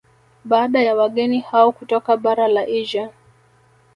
Baada ya wageni hao kutoka bara la Asia